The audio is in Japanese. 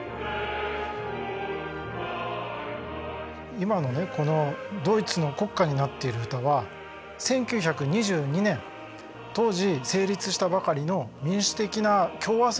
今のねこのドイツの国歌になっている歌は１９２２年当時成立したばかりの民主的な共和政